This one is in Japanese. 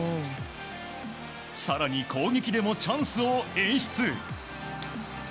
更に、攻撃でもチャンスを演出。